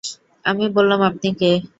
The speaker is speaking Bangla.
আমি বললাম, আপনি কে?